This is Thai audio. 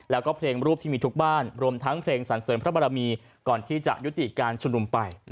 แล้วก็เพลงรูปที่มีทุกบ้านรวมทั้งเพลงสรรเสริมพระบรมีก่อนที่จะยุติการชุมนุมไป